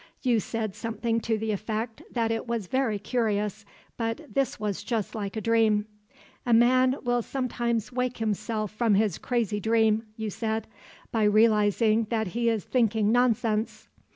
You said something to the effect that it was very curious but this was just like a dream. 'A man will sometimes wake himself from his crazy dream,' you said, 'by realizing that he is thinking nonsense.